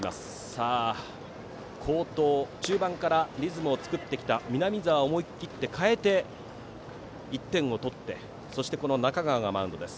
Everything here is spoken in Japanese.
さあ、好投の中盤からリズムを作ってきた南澤を思い切って代えて１点を取ってそして、この中川がマウンドです。